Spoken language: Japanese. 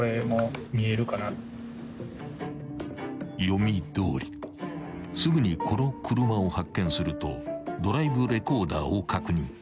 ［読みどおりすぐにこの車を発見するとドライブレコーダーを確認］